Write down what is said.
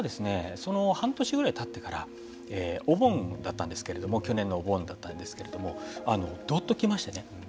その半年ぐらいたってからお盆だったんですけれども去年のお盆だったんですけれどもどっと来ましてね。